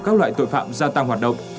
các loại tội phạm gia tăng hoạt động